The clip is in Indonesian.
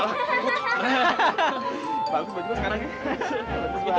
bagus baju baju sekarang ya